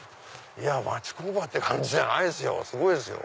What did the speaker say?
町工場って感じじゃないですよ